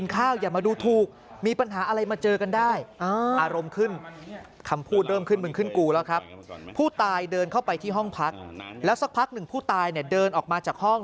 แล้วสักพักหนึ่งผู้ตายเนี่ยเดินออกมาจากห้อง